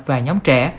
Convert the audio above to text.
và nhóm trẻ